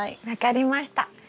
分かりました。